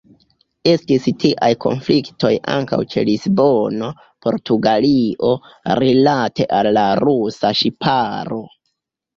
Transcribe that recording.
Estis tiaj konfliktoj ankaŭ ĉe Lisbono, Portugalio, rilate al la rusa ŝiparo.